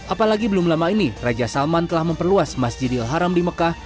apalagi belum lama ini raja salman telah memperluas masjidil haram di mekah